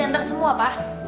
berarti antar semua pak